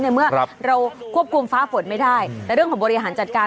เมื่อเราควบคุมฟ้าฝนไม่ได้ในเรื่องของบริหารจัดการ